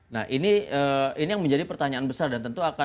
nah ini yang menjadi pertanyaan besar dan tentu akan